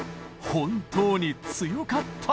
本当に強かった！